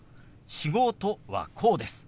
「仕事」はこうです。